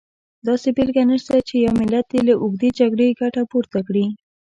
داسې بېلګه نشته چې یو ملت دې له اوږدې جګړې ګټه پورته کړي.